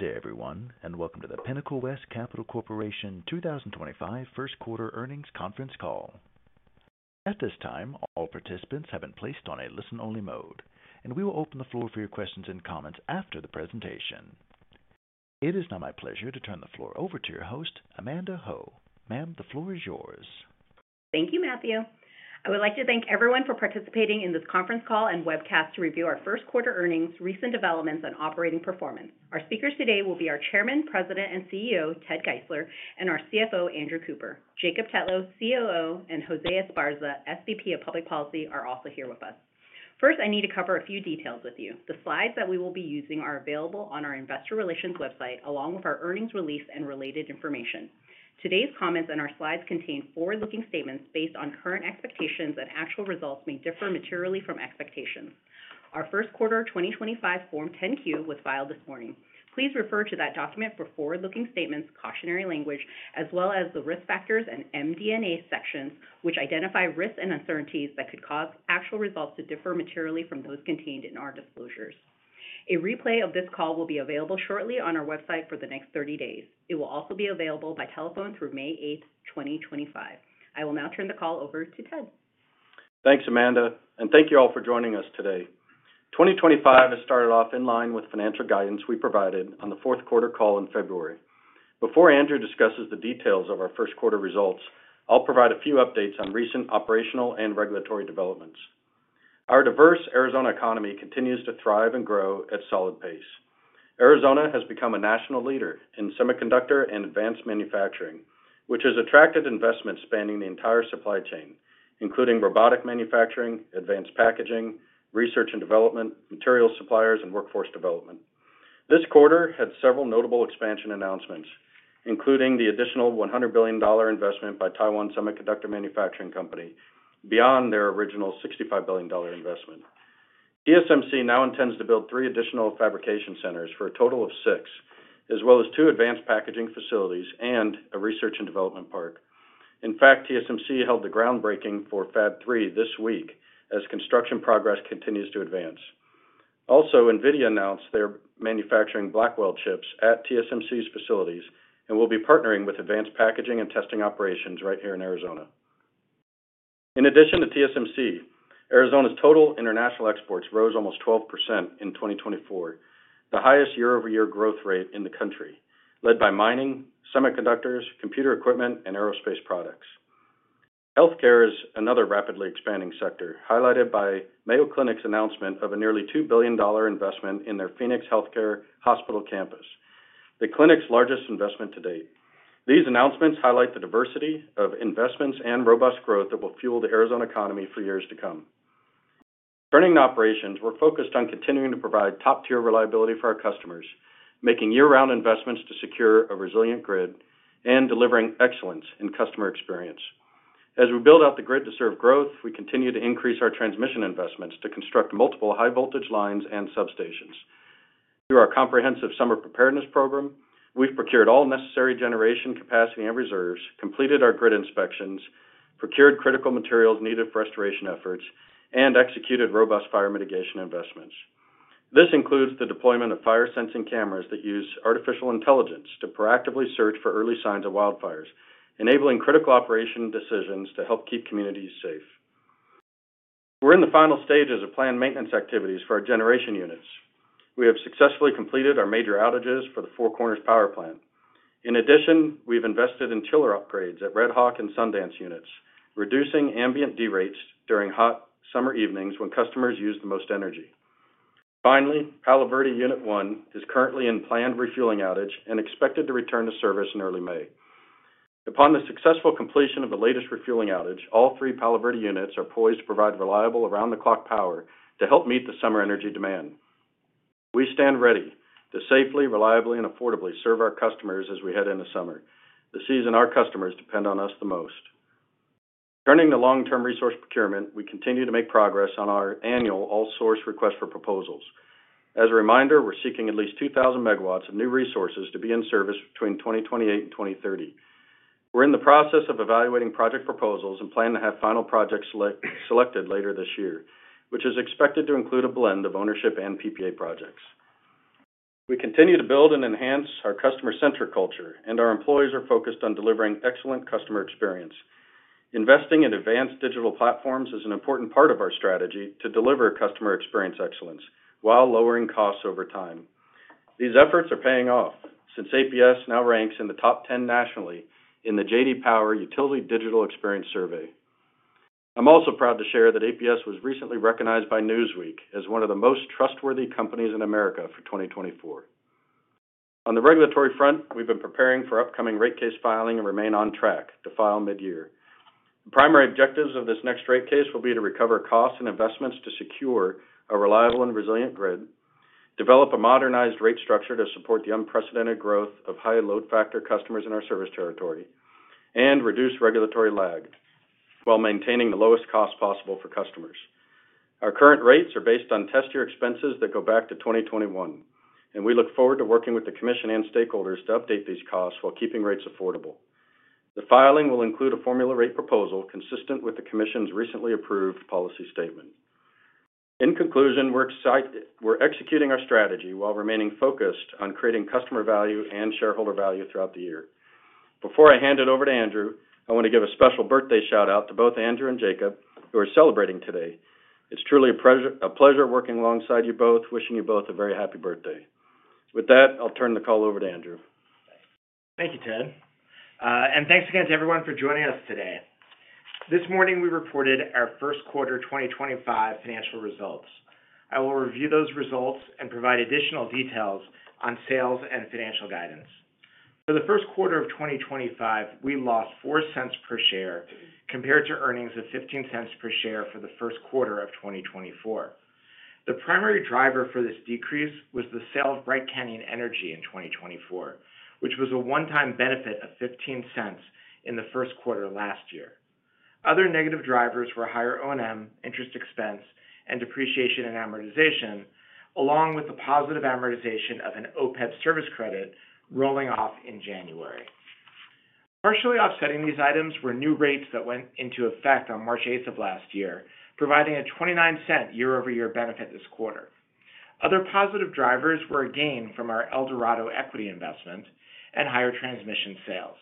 Good day, everyone, and welcome to the Pinnacle West Capital Corporation 2025 First Quarter Earnings Conference Call. At this time, all participants have been placed on a listen-only mode, and we will open the floor for your questions and comments after the presentation. It is now my pleasure to turn the floor over to your host, Amanda Ho. Ma'am, the floor is yours. Thank you, Matthew. I would like to thank everyone for participating in this conference call and webcast to review our first quarter earnings, recent developments, and operating performance. Our speakers today will be our Chairman, President, and CEO, Ted Geisler, and our CFO, Andrew Cooper. Jacob Tetlow, COO, and Jose Esparza, SVP of Public Policy, are also here with us. First, I need to cover a few details with you. The slides that we will be using are available on our investor relations website, along with our earnings release and related information. Today's comments and our slides contain forward-looking statements based on current expectations that actual results may differ materially from expectations. Our First Quarter 2025 Form 10-Q was filed this morning. Please refer to that document for forward-looking statements, cautionary language, as well as the risk factors and MD&A sections, which identify risks and uncertainties that could cause actual results to differ materially from those contained in our disclosures. A replay of this call will be available shortly on our website for the next 30 days. It will also be available by telephone through May 8th, 2025. I will now turn the call over to Ted. Thanks, Amanda, and thank you all for joining us today. 2025 has started off in line with financial guidance we provided on the fourth quarter call in February. Before Andrew discusses the details of our first quarter results, I'll provide a few updates on recent operational and regulatory developments. Our diverse Arizona economy continues to thrive and grow at a solid pace. Arizona has become a national leader in semiconductor and advanced manufacturing, which has attracted investment spanning the entire supply chain, including robotic manufacturing, advanced packaging, research and development, materials suppliers, and workforce development. This quarter had several notable expansion announcements, including the additional $100 billion investment by Taiwan Semiconductor Manufacturing Company beyond their original $65 billion investment. TSMC now intends to build three additional fabrication centers for a total of six, as well as two advanced packaging facilities and a research and development park. In fact, TSMC held the groundbreaking for Fab Three this week as construction progress continues to advance. Also, NVIDIA announced they're manufacturing Blackwell chips at TSMC's facilities and will be partnering with advanced packaging and testing operations right here in Arizona. In addition to TSMC, Arizona's total international exports rose almost 12% in 2024, the highest year-over-year growth rate in the country, led by mining, semiconductors, computer equipment, and aerospace products. Healthcare is another rapidly expanding sector, highlighted by Mayo Clinic's announcement of a nearly $2 billion investment in their Phoenix Healthcare Hospital campus, the clinic's largest investment to date. These announcements highlight the diversity of investments and robust growth that will fuel the Arizona economy for years to come. Starting operations, we're focused on continuing to provide top-tier reliability for our customers, making year-round investments to secure a resilient grid and delivering excellence in customer experience. As we build out the grid to serve growth, we continue to increase our transmission investments to construct multiple high-voltage lines and substations. Through our comprehensive summer preparedness program, we've procured all necessary generation capacity and reserves, completed our grid inspections, procured critical materials needed for restoration efforts, and executed robust fire mitigation investments. This includes the deployment of fire-sensing cameras that use artificial intelligence to proactively search for early signs of wildfires, enabling critical operation decisions to help keep communities safe. We're in the final stages of planned maintenance activities for our generation units. We have successfully completed our major outages for the Four Corners Power Plant. In addition, we've invested in chiller upgrades at Red Hawk and Sundance units, reducing ambient derates during hot summer evenings when customers use the most energy. Finally, Palo Verde Unit 1 is currently in planned refueling outage and expected to return to service in early May. Upon the successful completion of the latest refueling outage, all three Palo Verde units are poised to provide reliable around-the-clock power to help meet the summer energy demand. We stand ready to safely, reliably, and affordably serve our customers as we head into summer, the season our customers depend on us the most. Starting the long-term resource procurement, we continue to make progress on our annual All-Source Request for Proposals. As a reminder, we're seeking at least 2,000 megawatts of new resources to be in service between 2028 and 2030. We're in the process of evaluating project proposals and plan to have final projects selected later this year, which is expected to include a blend of ownership and PPA projects. We continue to build and enhance our customer-centric culture, and our employees are focused on delivering excellent customer experience. Investing in advanced digital platforms is an important part of our strategy to deliver customer experience excellence while lowering costs over time. These efforts are paying off since APS now ranks in the top 10 nationally in the J.D. Power Utility Digital Experience Survey. I'm also proud to share that APS was recently recognized by Newsweek as one of the most trustworthy companies in America for 2024. On the regulatory front, we've been preparing for upcoming rate case filing and remain on track to file mid-year. The primary objectives of this next rate case will be to recover costs and investments to secure a reliable and resilient grid, develop a modernized rate structure to support the unprecedented growth of high-load factor customers in our service territory, and reduce regulatory lag while maintaining the lowest costs possible for customers. Our current rates are based on test-year expenses that go back to 2021, and we look forward to working with the Commission and stakeholders to update these costs while keeping rates affordable. The filing will include a formula rate proposal consistent with the Commission's recently approved policy statement. In conclusion, we're executing our strategy while remaining focused on creating customer value and shareholder value throughout the year. Before I hand it over to Andrew, I want to give a special birthday shout-out to both Andrew and Jacob, who are celebrating today. It's truly a pleasure working alongside you both, wishing you both a very happy birthday. With that, I'll turn the call over to Andrew. Thank you, Ted. Thanks again to everyone for joining us today. This morning, we reported our First Quarter 2025 financial results. I will review those results and provide additional details on sales and financial guidance. For the First Quarter of 2025, we lost $0.04 per share compared to earnings of $0.15 per share for the First Quarter of 2024. The primary driver for this decrease was the sale of Bright Canyon Energy in 2024, which was a one-time benefit of $0.15 in the First Quarter last year. Other negative drivers were higher O&M, interest expense, and depreciation and amortization, along with the positive amortization of an OPEB service credit rolling off in January. Partially offsetting these items were new rates that went into effect on March 8th of last year, providing a $0.29 year-over-year benefit this quarter. Other positive drivers were a gain from our El Dorado equity investment and higher transmission sales.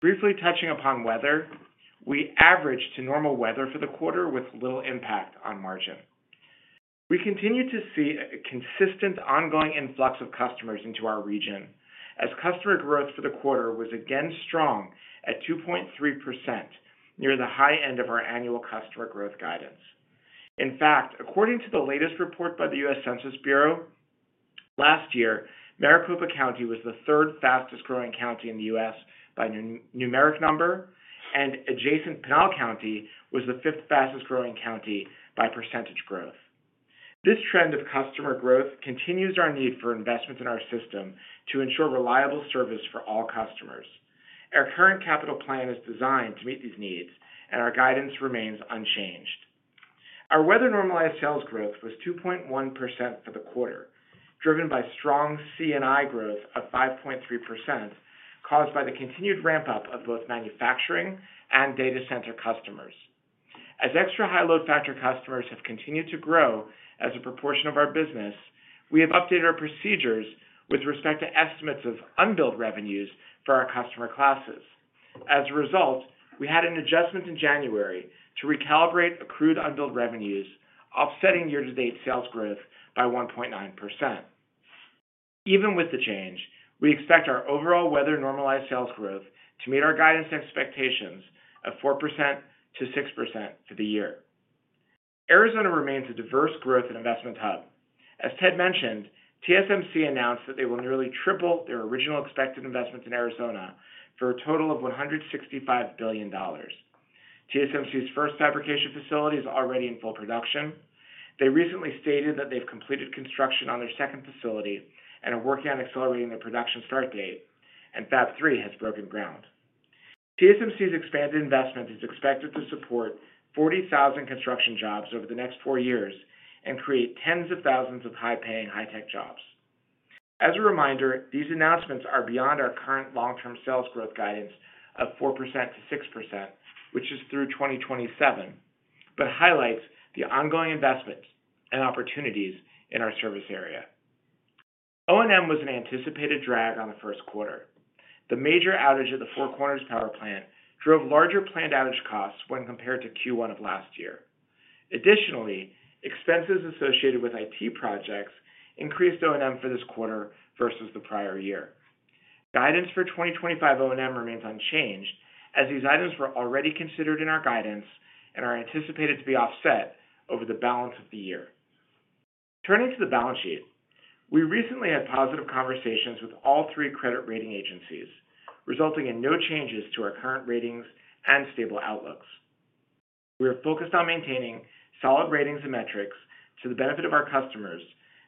Briefly touching upon weather, we averaged to normal weather for the quarter with little impact on margin. We continue to see a consistent ongoing influx of customers into our region as customer growth for the quarter was again strong at 2.3%, near the high end of our annual customer growth guidance. In fact, according to the latest report by the U.S. Census Bureau, last year, Maricopa County was the third fastest-growing county in the U.S. by numeric number, and adjacent Pinal County was the fifth fastest-growing county by percentage growth. This trend of customer growth continues our need for investment in our system to ensure reliable service for all customers. Our current capital plan is designed to meet these needs, and our guidance remains unchanged. Our weather-normalized sales growth was 2.1% for the quarter, driven by strong C&I growth of 5.3% caused by the continued ramp-up of both manufacturing and data center customers. As extra high-load factor customers have continued to grow as a proportion of our business, we have updated our procedures with respect to estimates of unbilled revenues for our customer classes. As a result, we had an adjustment in January to recalibrate accrued unbilled revenues, offsetting year-to-date sales growth by 1.9%. Even with the change, we expect our overall weather-normalized sales growth to meet our guidance expectations of 4%-6% for the year. Arizona remains a diverse growth and investment hub. As Ted mentioned, TSMC announced that they will nearly triple their original expected investment in Arizona for a total of $165 billion. TSMC's first fabrication facility is already in full production. They recently stated that they've completed construction on their second facility and are working on accelerating their production start date, and Fab Three has broken ground. TSMC's expanded investment is expected to support 40,000 construction jobs over the next four years and create tens of thousands of high-paying high-tech jobs. As a reminder, these announcements are beyond our current long-term sales growth guidance of 4%-6%, which is through 2027, but highlights the ongoing investment and opportunities in our service area. O&M was an anticipated drag on the first quarter. The major outage at the Four Corners Power Plant drove larger planned outage costs when compared to Q1 of last year. Additionally, expenses associated with IT projects increased O&M for this quarter versus the prior year. Guidance for 2025 O&M remains unchanged as these items were already considered in our guidance and are anticipated to be offset over the balance of the year. Turning to the balance sheet, we recently had positive conversations with all three credit rating agencies, resulting in no changes to our current ratings and stable outlooks. We are focused on maintaining solid ratings and metrics to the benefit of our customers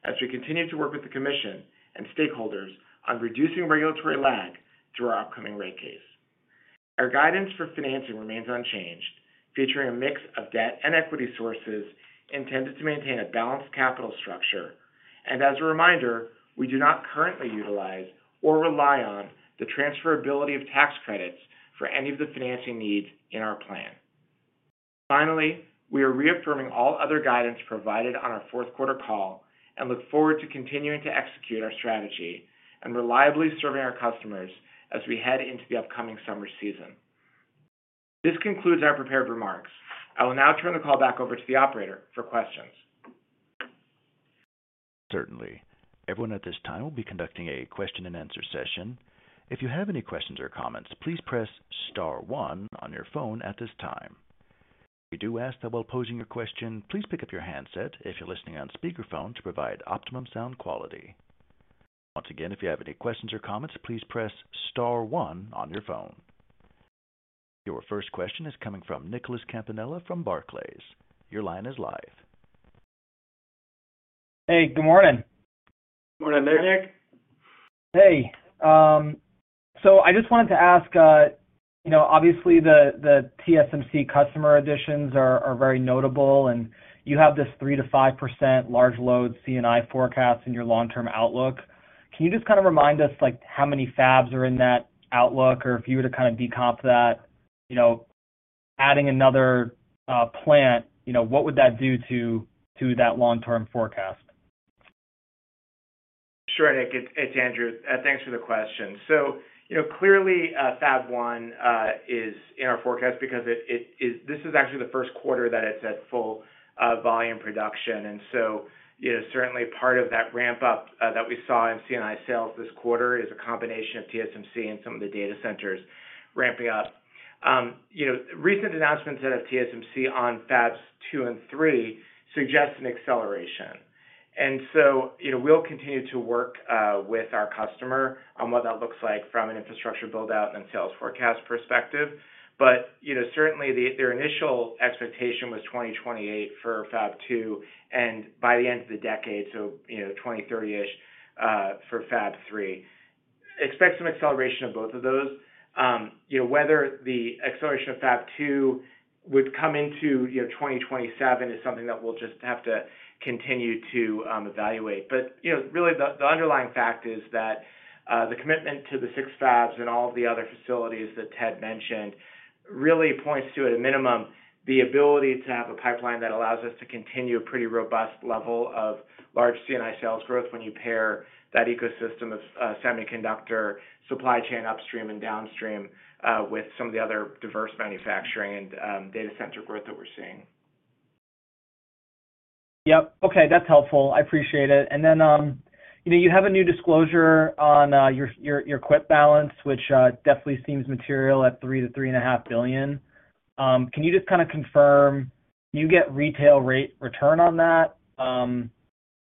as we continue to work with the Commission and stakeholders on reducing regulatory lag through our upcoming rate case. Our guidance for financing remains unchanged, featuring a mix of debt and equity sources intended to maintain a balanced capital structure. As a reminder, we do not currently utilize or rely on the transferability of tax credits for any of the financing needs in our plan. Finally, we are reaffirming all other guidance provided on our fourth quarter call and look forward to continuing to execute our strategy and reliably serving our customers as we head into the upcoming summer season. This concludes our prepared remarks. I will now turn the call back over to the operator for questions. Certainly. Everyone at this time will be conducting a question-and-answer session. If you have any questions or comments, please press star one on your phone at this time. We do ask that while posing your question, please pick up your handset if you're listening on speakerphone to provide optimum sound quality. Once again, if you have any questions or comments, please press star one on your phone. Your first question is coming from Nicholas Campanella from Barclays. Your line is live. Hey, good morning. Good morning, Nick. Hey. I just wanted to ask, obviously, the TSMC customer additions are very notable, and you have this 3%-5% large-load C&I forecast in your long-term outlook. Can you just kind of remind us how many fabs are in that outlook? Or if you were to kind of decomp that, adding another plant, what would that do to that long-term forecast? Sure, Nick. It's Andrew. Thanks for the question. Clearly, Fab One is in our forecast because this is actually the first quarter that it's at full volume production. Certainly, part of that ramp-up that we saw in C&I sales this quarter is a combination of TSMC and some of the data centers ramping up. Recent announcements out of TSMC on Fabs Two and Three suggest an acceleration. We will continue to work with our customer on what that looks like from an infrastructure build-out and then sales forecast perspective. Certainly, their initial expectation was 2028 for Fab Two and by the end of the decade, so 2030-ish for Fab Three. Expect some acceleration of both of those. Whether the acceleration of Fab Two would come into 2027 is something that we will just have to continue to evaluate. Really, the underlying fact is that the commitment to the six fabs and all of the other facilities that Ted mentioned really points to, at a minimum, the ability to have a pipeline that allows us to continue a pretty robust level of large C&I sales growth when you pair that ecosystem of semiconductor supply chain upstream and downstream with some of the other diverse manufacturing and data center growth that we're seeing. Yep. Okay. That's helpful. I appreciate it. You have a new disclosure on your CWIP balance, which definitely seems material at $3 billion-$3.5 billion. Can you just kind of confirm, can you get retail rate return on that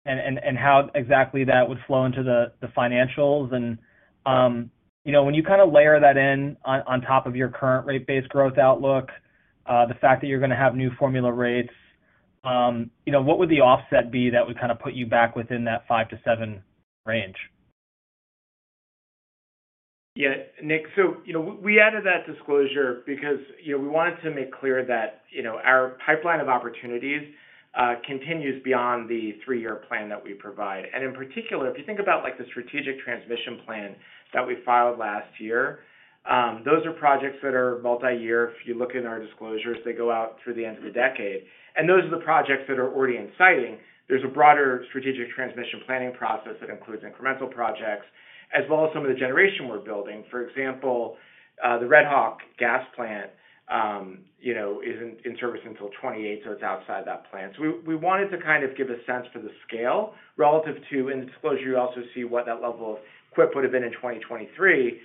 and how exactly that would flow into the financials? When you kind of layer that in on top of your current rate-based growth outlook, the fact that you're going to have new formula rates, what would the offset be that would kind of put you back within that 5%-7% range? Yeah, Nick. We added that disclosure because we wanted to make clear that our pipeline of opportunities continues beyond the three-year plan that we provide. In particular, if you think about the strategic transmission plan that we filed last year, those are projects that are multi-year. If you look in our disclosures, they go out through the end of the decade. Those are the projects that are already in siting. There is a broader strategic transmission planning process that includes incremental projects as well as some of the generation we are building. For example, the Red Hawk gas plant is not in service until 2028, so it is outside that plan. We wanted to kind of give a sense for the scale relative to, in the disclosure, you also see what that level of CWIP would have been in 2023,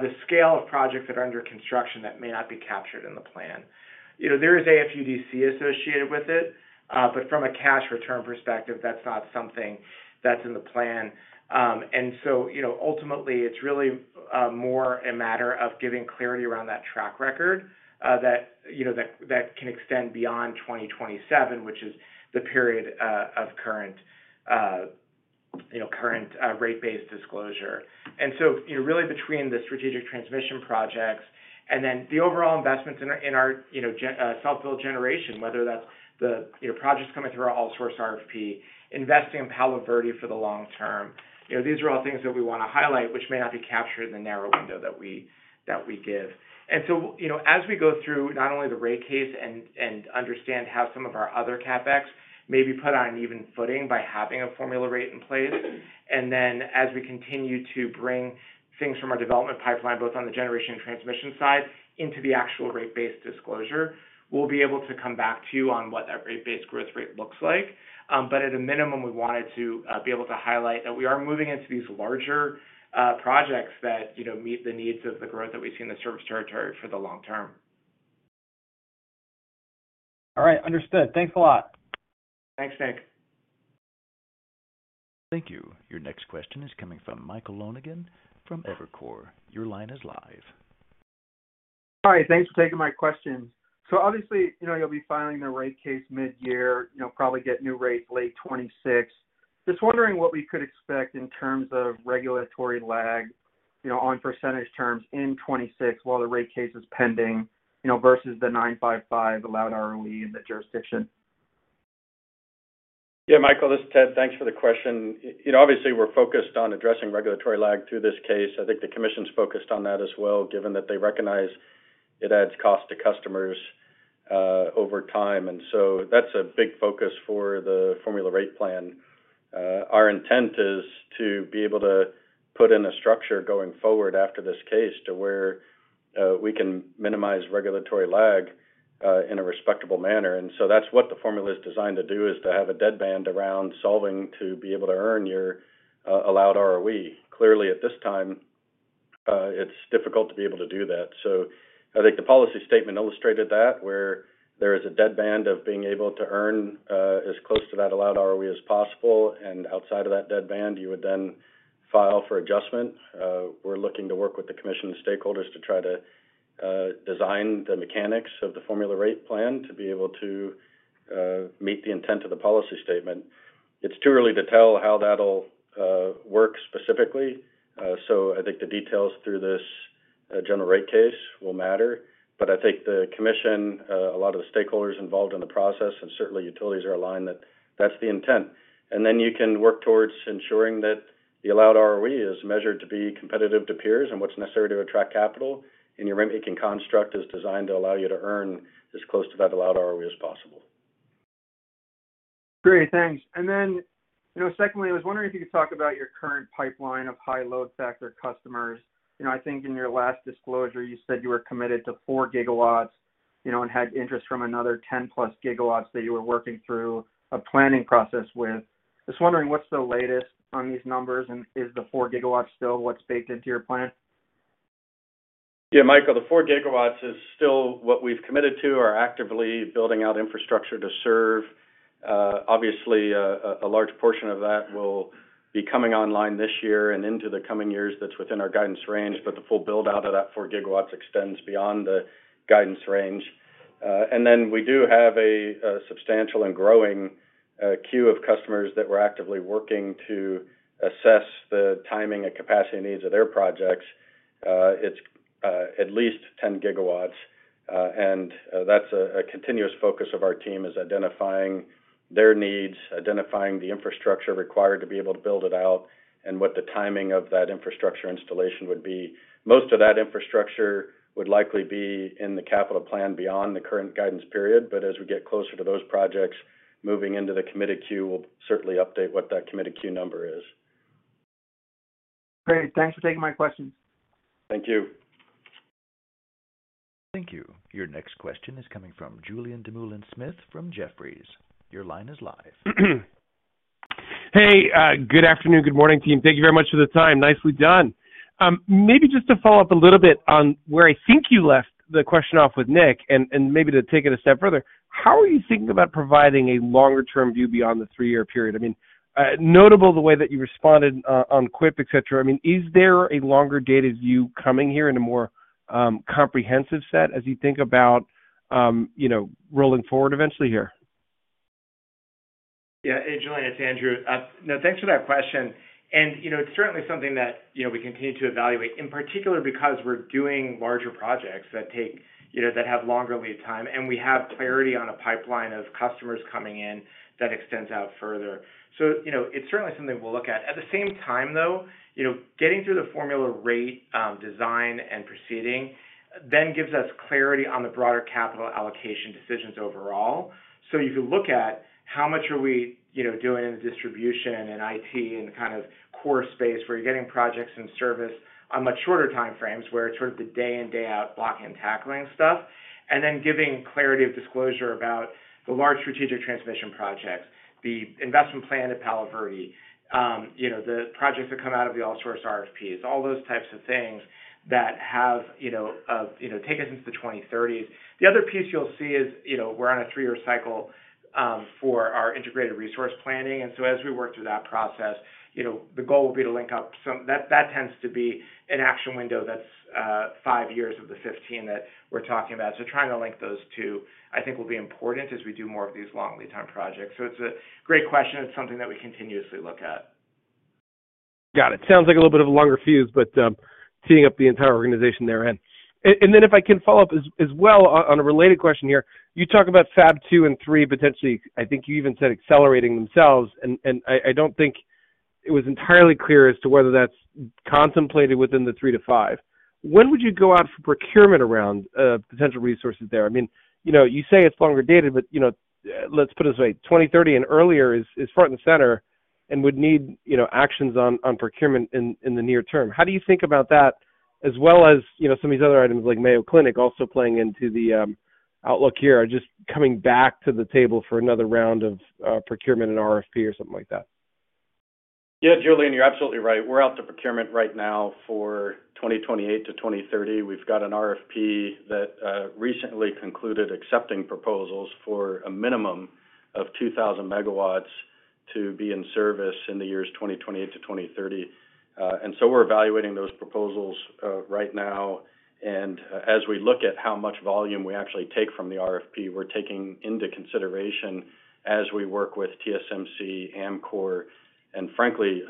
the scale of projects that are under construction that may not be captured in the plan. There is AFUDC associated with it, but from a cash return perspective, that's not something that's in the plan. Ultimately, it's really more a matter of giving clarity around that track record that can extend beyond 2027, which is the period of current rate-based disclosure. Really, between the strategic transmission projects and then the overall investments in our self-built generation, whether that's the projects coming through our All-Source RFP, investing in Palo Verde for the long term, these are all things that we want to highlight, which may not be captured in the narrow window that we give. As we go through not only the rate case and understand how some of our other CapEx may be put on an even footing by having a formula rate in place, and then as we continue to bring things from our development pipeline, both on the generation and transmission side, into the actual rate-based disclosure, we'll be able to come back to you on what that rate-based growth rate looks like. At a minimum, we wanted to be able to highlight that we are moving into these larger projects that meet the needs of the growth that we see in the service territory for the long term. All right. Understood. Thanks a lot. Thanks, Nick. Thank you. Your next question is coming from Michael Lonegan from Evercore. Your line is live. Hi. Thanks for taking my question. Obviously, you'll be filing the rate case mid-year, probably get new rates late 2026. Just wondering what we could expect in terms of regulatory lag on percentage terms in 2026 while the rate case is pending versus the 9.55% allowed ROE in the jurisdiction. Yeah, Michael, this is Ted. Thanks for the question. Obviously, we're focused on addressing regulatory lag through this case. I think the Commission's focused on that as well, given that they recognize it adds cost to customers over time. That is a big focus for the formula rate plan. Our intent is to be able to put in a structure going forward after this case to where we can minimize regulatory lag in a respectable manner. That is what the formula is designed to do, is to have a deadband around solving to be able to earn your allowed ROE. Clearly, at this time, it's difficult to be able to do that. I think the policy statement illustrated that, where there is a deadband of being able to earn as close to that allowed ROE as possible. Outside of that deadband, you would then file for adjustment. We're looking to work with the Commission and stakeholders to try to design the mechanics of the formula rate plan to be able to meet the intent of the policy statement. It's too early to tell how that'll work specifically. I think the details through this general rate case will matter. I think the Commission, a lot of the stakeholders involved in the process, and certainly utilities are aligned that that's the intent. You can work towards ensuring that the allowed ROE is measured to be competitive to peers and what's necessary to attract capital in your rent-making construct is designed to allow you to earn as close to that allowed ROE as possible. Great. Thanks. I was wondering if you could talk about your current pipeline of high-load factor customers. I think in your last disclosure, you said you were committed to four gigawatts and had interest from another 10-plus gigawatts that you were working through a planning process with. Just wondering, what's the latest on these numbers? Is the four gigawatts still what's baked into your plan? Yeah, Michael, the four gigawatts is still what we've committed to. We're actively building out infrastructure to serve. Obviously, a large portion of that will be coming online this year and into the coming years. That's within our guidance range. The full build-out of that four gigawatts extends beyond the guidance range. We do have a substantial and growing queue of customers that we're actively working to assess the timing and capacity needs of their projects. It's at least 10 gigawatts. That's a continuous focus of our team, identifying their needs, identifying the infrastructure required to be able to build it out, and what the timing of that infrastructure installation would be. Most of that infrastructure would likely be in the capital plan beyond the current guidance period. As we get closer to those projects, moving into the committed queue, we'll certainly update what that committed queue number is. Great. Thanks for taking my questions. Thank you. Thank you. Your next question is coming from Julien Dumoulin-Smith from Jefferies. Your line is live. Hey, good afternoon, good morning, team. Thank you very much for the time. Nicely done. Maybe just to follow up a little bit on where I think you left the question off with Nick, and maybe to take it a step further, how are you thinking about providing a longer-term view beyond the three-year period? I mean, notable the way that you responded on CWIP, etc. I mean, is there a longer-dated view coming here in a more comprehensive set as you think about rolling forward eventually here? Yeah, hey, Julien, it's Andrew. No, thanks for that question. It's certainly something that we continue to evaluate, in particular because we're doing larger projects that have longer lead time, and we have clarity on a pipeline of customers coming in that extends out further. It's certainly something we'll look at. At the same time, though, getting through the formula rate design and proceeding then gives us clarity on the broader capital allocation decisions overall. You can look at how much are we doing in the distribution and IT and kind of core space where you're getting projects in service on much shorter time frames where it's sort of the day-in-day-out block and tackling stuff, and then giving clarity of disclosure about the large strategic transmission projects, the investment plan to Palo Verde, the projects that come out of the All-Source RFPs, all those types of things that have taken us into the 2030s. The other piece you'll see is we're on a three-year cycle for our integrated resource planning. As we work through that process, the goal will be to link up some that tends to be an action window that's five years of the fifteen that we're talking about. Trying to link those two, I think, will be important as we do more of these long lead-time projects. It's a great question. It's something that we continuously look at. Got it. Sounds like a little bit of a longer fuse, but teeing up the entire organization there. If I can follow up as well on a related question here, you talk about Fab Two and Three potentially. I think you even said accelerating themselves. I do not think it was entirely clear as to whether that is contemplated within the Three to Five. When would you go out for procurement around potential resources there? I mean, you say it is longer dated, but let's put it this way. 2030 and earlier is front and center and would need actions on procurement in the near term. How do you think about that as well as some of these other items like Mayo Clinic also playing into the outlook here? Just coming back to the table for another round of procurement and RFP or something like that. Yeah, Julien, you're absolutely right. We're out to procurement right now for 2028-2030. We've got an RFP that recently concluded accepting proposals for a minimum of 2,000 megawatts to be in service in the years 2028 to 2030. We're evaluating those proposals right now. As we look at how much volume we actually take from the RFP, we're taking into consideration as we work with TSMC, Amkor, and frankly,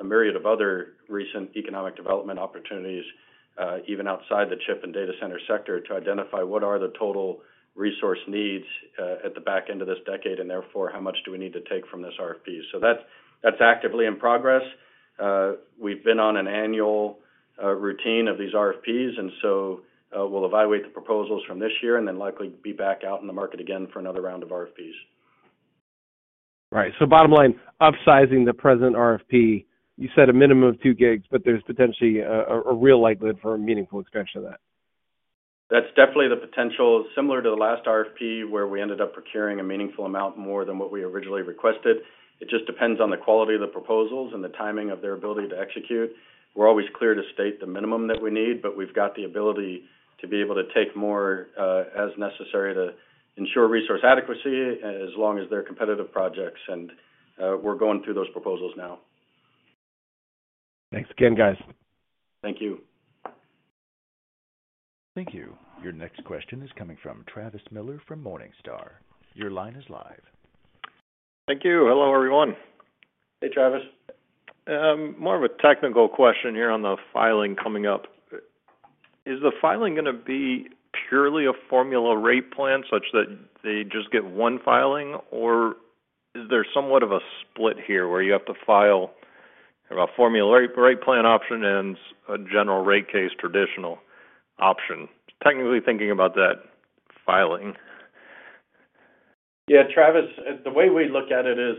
a myriad of other recent economic development opportunities, even outside the chip and data center sector, to identify what are the total resource needs at the back end of this decade, and therefore, how much do we need to take from this RFP. That's actively in progress. We've been on an annual routine of these RFPs. We will evaluate the proposals from this year and then likely be back out in the market again for another round of RFPs. Right. So bottom line, upsizing the present RFP, you said a minimum of two gigs, but there's potentially a real likelihood for a meaningful expansion of that. That's definitely the potential. Similar to the last RFP where we ended up procuring a meaningful amount more than what we originally requested. It just depends on the quality of the proposals and the timing of their ability to execute. We're always clear to state the minimum that we need, but we've got the ability to be able to take more as necessary to ensure resource adequacy as long as they're competitive projects. We're going through those proposals now. Thanks again, guys. Thank you. Thank you. Your next question is coming from Travis Miller from Morningstar. Your line is live. Thank you. Hello, everyone. Hey, Travis. More of a technical question here on the filing coming up. Is the filing going to be purely a formula rate plan such that they just get one filing, or is there somewhat of a split here where you have to file a formula rate plan option and a general rate case traditional option? Technically thinking about that filing. Yeah, Travis, the way we look at it is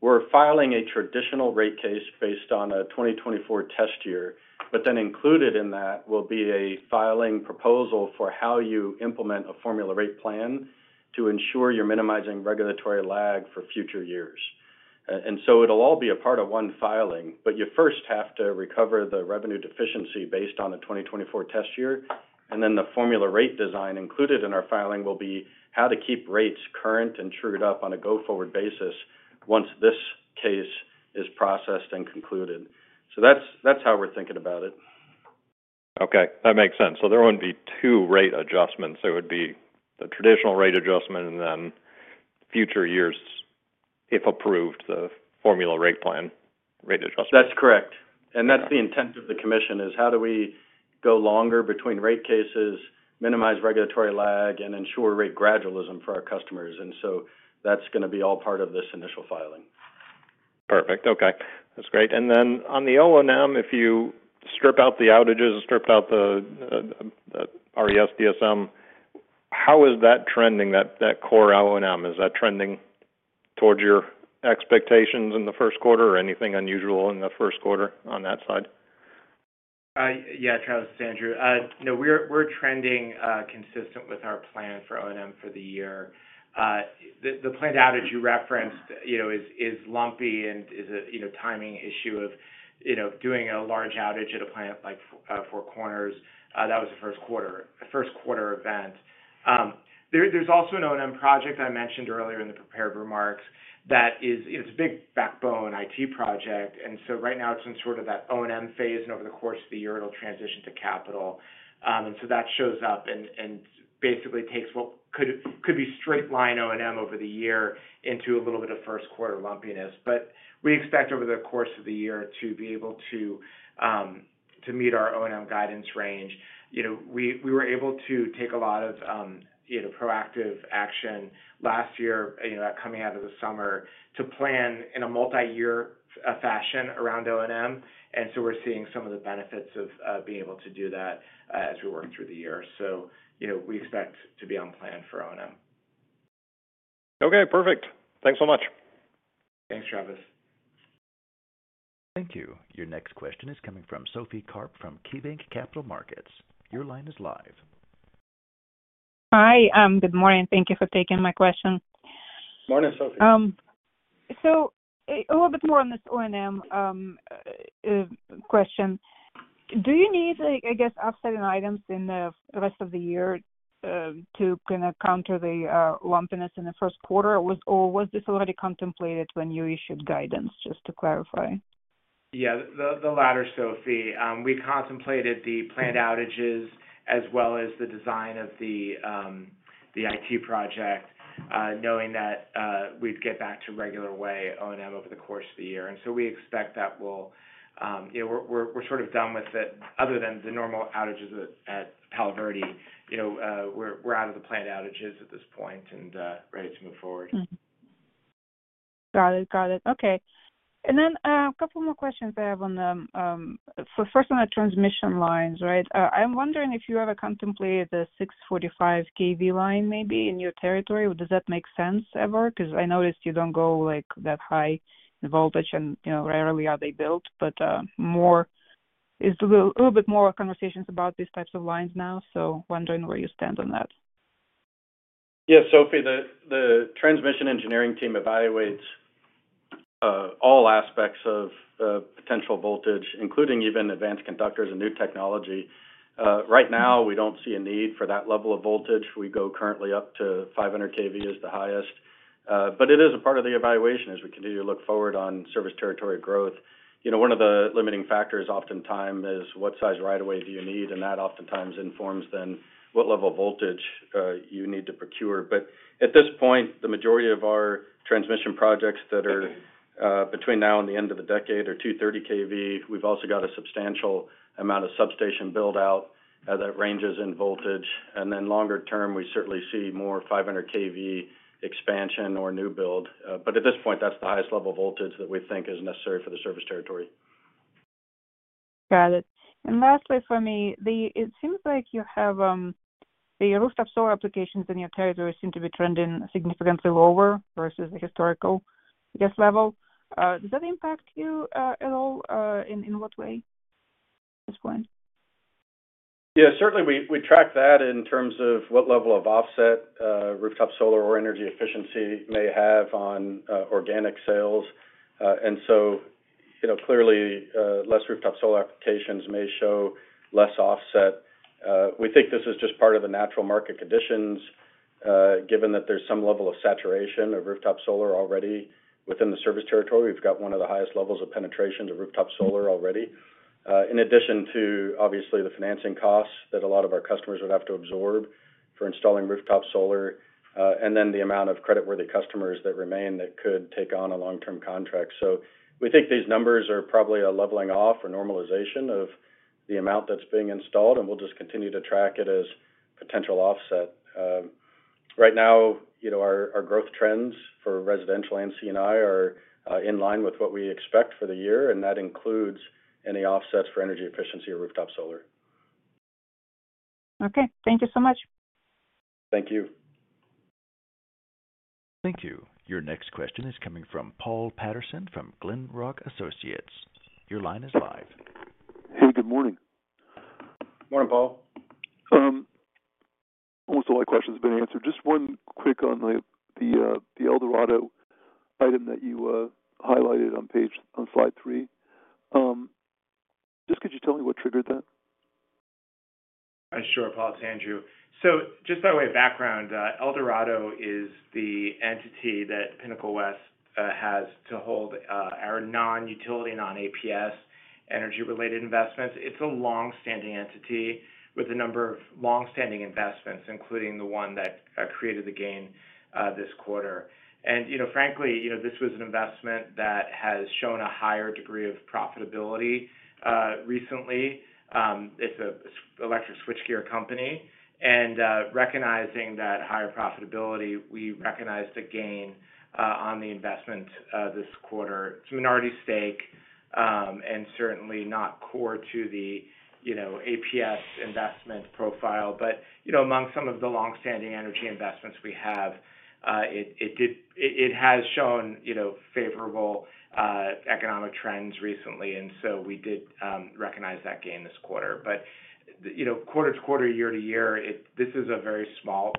we're filing a traditional rate case based on a 2024 test year, but then included in that will be a filing proposal for how you implement a formula rate plan to ensure you're minimizing regulatory lag for future years. It'll all be a part of one filing, but you first have to recover the revenue deficiency based on the 2024 test year. The formula rate design included in our filing will be how to keep rates current and trued up on a go-forward basis once this case is processed and concluded. That's how we're thinking about it. Okay. That makes sense. There would not be two rate adjustments. It would be the traditional rate adjustment and then future years, if approved, the formula rate plan rate adjustment. That's correct. That is the intent of the Commission, is how do we go longer between rate cases, minimize regulatory lag, and ensure rate gradualism for our customers. That is going to be all part of this initial filing. Perfect. Okay. That's great. Then on the O&M, if you strip out the outages and strip out the RES, DSM, how is that trending, that core O&M? Is that trending towards your expectations in the first quarter or anything unusual in the first quarter on that side? Yeah, Travis, it's Andrew. No, we're trending consistent with our plan for O&M for the year. The planned outage you referenced is lumpy and is a timing issue of doing a large outage at a plant like Four Corners. That was the first quarter event. There's also an O&M project I mentioned earlier in the prepared remarks that is a big backbone IT project. Right now, it's in sort of that O&M phase, and over the course of the year, it'll transition to capital. That shows up and basically takes what could be straight-line O&M over the year into a little bit of first-quarter lumpiness. We expect over the course of the year to be able to meet our O&M guidance range. We were able to take a lot of proactive action last year coming out of the summer to plan in a multi-year fashion around O&M. We are seeing some of the benefits of being able to do that as we work through the year. We expect to be on plan for O&M. Okay. Perfect. Thanks so much. Thanks, Travis. Thank you. Your next question is coming from Sophie Karp from KeyBanc Capital Markets. Your line is live. Hi. Good morning. Thank you for taking my question. Morning, Sophie. A little bit more on this O&M question. Do you need, I guess, upsetting items in the rest of the year to kind of counter the lumpiness in the first quarter, or was this already contemplated when you issued guidance, just to clarify? Yeah, the latter, Sophie. We contemplated the planned outages as well as the design of the IT project, knowing that we'd get back to regular way O&M over the course of the year. We expect that we're sort of done with it. Other than the normal outages at Palo Verde, we're out of the planned outages at this point and ready to move forward. Got it. Got it. Okay. And then a couple more questions. I have on the first on the transmission lines, right? I'm wondering if you ever contemplated the 645 kV line maybe in your territory. Does that make sense, ever? Because I noticed you do not go that high in voltage, and rarely are they built. Is there a little bit more conversations about these types of lines now? I am wondering where you stand on that. Yeah, Sophie, the transmission engineering team evaluates all aspects of potential voltage, including even advanced conductors and new technology. Right now, we do not see a need for that level of voltage. We go currently up to 500 kV as the highest. It is a part of the evaluation as we continue to look forward on service territory growth. One of the limiting factors oftentimes is what size right of way do you need? That oftentimes informs then what level of voltage you need to procure. At this point, the majority of our transmission projects that are between now and the end of the decade are 230 kV. We have also got a substantial amount of substation build-out that ranges in voltage. Longer term, we certainly see more 500 kV expansion or new build. At this point, that's the highest level of voltage that we think is necessary for the service territory. Got it. Lastly for me, it seems like you have the rooftop solar applications in your territory seem to be trending significantly lower versus the historical, I guess, level. Does that impact you at all in what way at this point? Yeah, certainly we track that in terms of what level of offset rooftop solar or energy efficiency may have on organic sales. Clearly, less rooftop solar applications may show less offset. We think this is just part of the natural market conditions, given that there's some level of saturation of rooftop solar already within the service territory. We've got one of the highest levels of penetration to rooftop solar already, in addition to, obviously, the financing costs that a lot of our customers would have to absorb for installing rooftop solar, and then the amount of credit-worthy customers that remain that could take on a long-term contract. We think these numbers are probably a leveling off or normalization of the amount that's being installed, and we'll just continue to track it as potential offset. Right now, our growth trends for residential and C&I are in line with what we expect for the year, and that includes any offsets for energy efficiency or rooftop solar. Okay. Thank you so much. Thank you. Thank you. Your next question is coming from Paul Patterson from Glenrock Associates. Your line is live. Hey, good morning. Morning, Paul. Almost all my questions have been answered. Just one quick on the El Dorado item that you highlighted on slide three. Just could you tell me what triggered that? Sure, Paul, it's Andrew. Just by way of background, El Dorado is the entity that Pinnacle West has to hold our non-utility, non-APS energy-related investments. It's a long-standing entity with a number of long-standing investments, including the one that created the gain this quarter. Frankly, this was an investment that has shown a higher degree of profitability recently. It's an electric switchgear company. Recognizing that higher profitability, we recognized a gain on the investment this quarter. It's a minority stake and certainly not core to the APS investment profile. Among some of the long-standing energy investments we have, it has shown favorable economic trends recently. We did recognize that gain this quarter. Quarter to quarter, year to year, this is a very small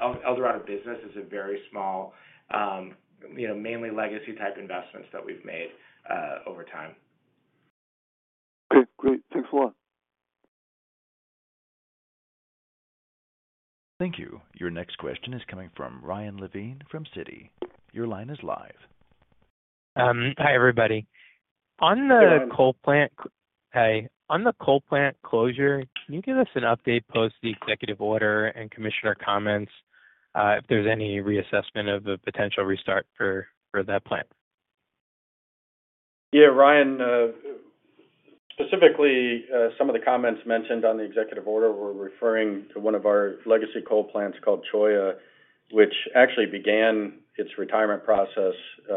El Dorado business, mainly legacy-type investments that we've made over time. Okay. Great. Thanks a lot. Thank you. Your next question is coming from Ryan Levine from Citi. Your line is live. Hi, everybody. Hey. On the coal plant closure, can you give us an update post the executive order and commissioner comments if there's any reassessment of a potential restart for that plant? Yeah, Ryan, specifically, some of the comments mentioned on the executive order were referring to one of our legacy coal plants called Cholla, which actually began its retirement process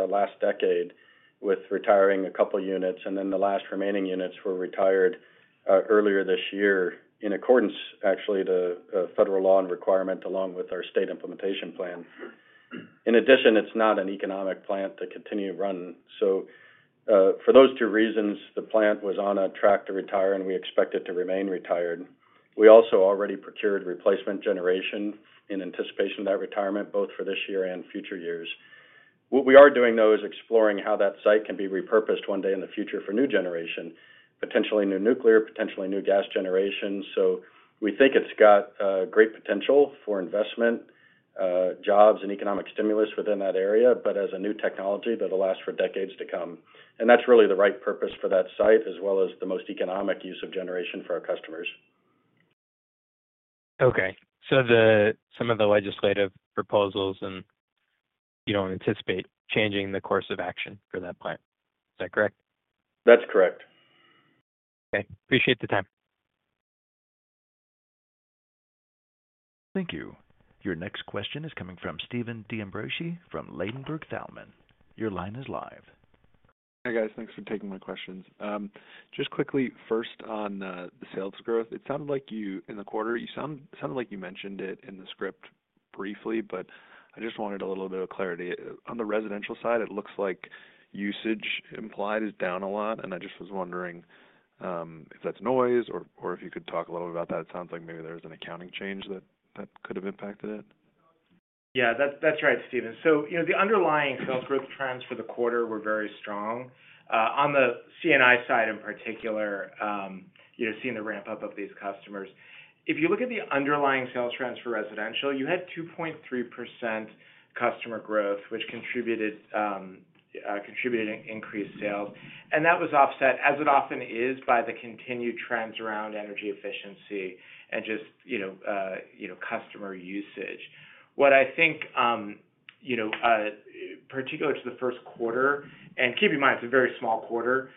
last decade with retiring a couple of units. The last remaining units were retired earlier this year in accordance, actually, to federal law and requirement along with our state implementation plan. In addition, it's not an economic plant to continue running. For those two reasons, the plant was on a track to retire, and we expect it to remain retired. We also already procured replacement generation in anticipation of that retirement, both for this year and future years. What we are doing, though, is exploring how that site can be repurposed one day in the future for new generation, potentially new nuclear, potentially new gas generation. We think it's got great potential for investment, jobs, and economic stimulus within that area, but as a new technology that will last for decades to come. That's really the right purpose for that site as well as the most economic use of generation for our customers. Okay. Some of the legislative proposals, and you don't anticipate changing the course of action for that plant. Is that correct? That's correct. Okay. Appreciate the time. Thank you. Your next question is coming from Stephen D'Ambrisi from Ladenburg Thalmann. Your line is live. Hey, guys. Thanks for taking my questions. Just quickly, first, on the sales growth, it sounded like you in the quarter, it sounded like you mentioned it in the script briefly, but I just wanted a little bit of clarity. On the residential side, it looks like usage implied is down a lot. I just was wondering if that's noise or if you could talk a little bit about that. It sounds like maybe there was an accounting change that could have impacted it. Yeah, that's right, Stephen. The underlying sales growth trends for the quarter were very strong. On the C&I side in particular, seeing the ramp-up of these customers, if you look at the underlying sales trends for residential, you had 2.3% customer growth, which contributed to increased sales. That was offset, as it often is, by the continued trends around energy efficiency and just customer usage. What I think, particularly to the first quarter—keep in mind, it's a very small quarter,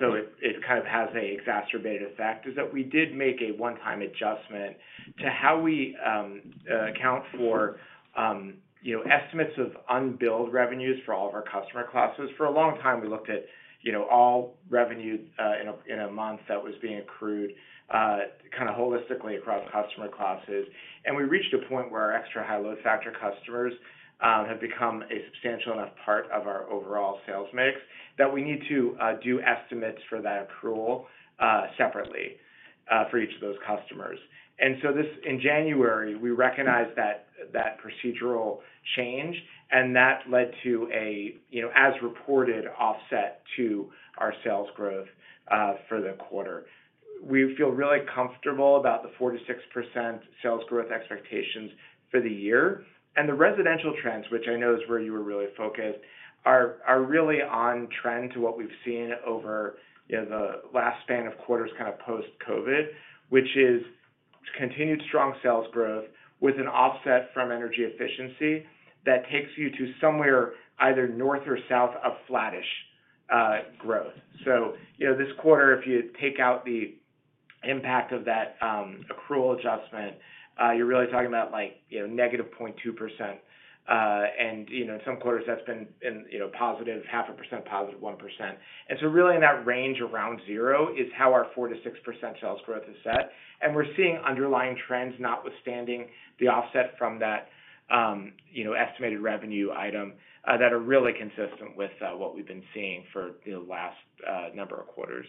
so it kind of has an exacerbated effect—is that we did make a one-time adjustment to how we account for estimates of unbilled revenues for all of our customer classes. For a long time, we looked at all revenue in a month that was being accrued kind of holistically across customer classes. We reached a point where our extra high load factor customers have become a substantial enough part of our overall sales mix that we need to do estimates for that accrual separately for each of those customers. In January, we recognized that procedural change, and that led to a, as reported, offset to our sales growth for the quarter. We feel really comfortable about the 4-6% sales growth expectations for the year. The residential trends, which I know is where you were really focused, are really on trend to what we've seen over the last span of quarters kind of post-COVID, which is continued strong sales growth with an offset from energy efficiency that takes you to somewhere either north or south of flattish growth. This quarter, if you take out the impact of that accrual adjustment, you're really talking about negative 0.2%. In some quarters, that's been positive 0.5%, positive 1%. Really, in that range around zero is how our 4-6% sales growth is set. We're seeing underlying trends notwithstanding the offset from that estimated revenue item that are really consistent with what we've been seeing for the last number of quarters.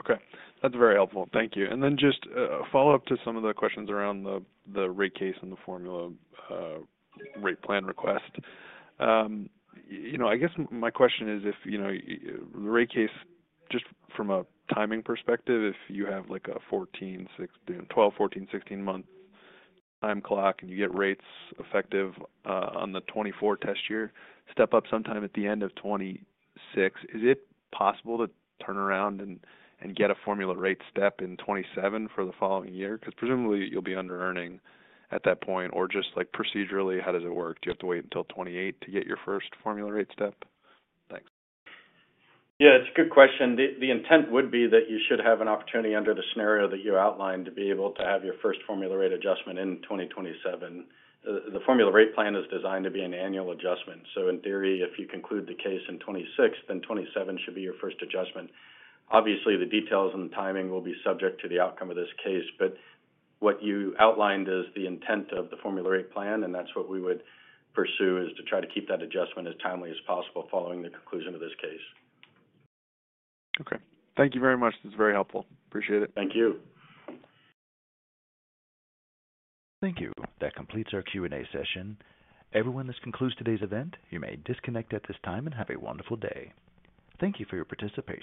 Okay. That's very helpful. Thank you. Just a follow-up to some of the questions around the rate case and the formula rate plan request. I guess my question is, if the rate case, just from a timing perspective, if you have a 12, 14, 16-month time clock and you get rates effective on the 2024 test year, step up sometime at the end of 2026, is it possible to turn around and get a formula rate step in 2027 for the following year? Because presumably, you'll be under-earning at that point. Just procedurally, how does it work? Do you have to wait until 2028 to get your first formula rate step? Thanks. Yeah, it's a good question. The intent would be that you should have an opportunity under the scenario that you outlined to be able to have your first formula rate adjustment in 2027. The formula rate plan is designed to be an annual adjustment. In theory, if you conclude the case in 2026, then 2027 should be your first adjustment. Obviously, the details and the timing will be subject to the outcome of this case. What you outlined is the intent of the formula rate plan, and that's what we would pursue, is to try to keep that adjustment as timely as possible following the conclusion of this case. Okay. Thank you very much. This is very helpful. Appreciate it. Thank you. Thank you. That completes our Q&A session. Everyone, this concludes today's event. You may disconnect at this time and have a wonderful day. Thank you for your participation.